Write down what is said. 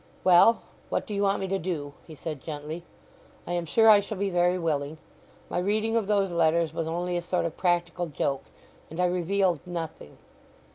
"Well, what do you want me to do?" he said gently. "I am sure I shall be very willing. My reading of those letters was only a sort of practical joke, and I revealed nothing."